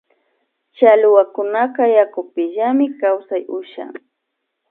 Challwakunaka yakupimillami kawsay ushan